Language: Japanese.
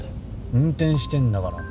運転してんだから。